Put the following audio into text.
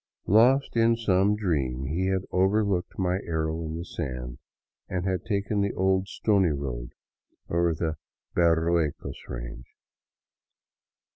Lost in some dream, he had overlooked my arrow in the sand and taken the old stony road over the Berruecos range.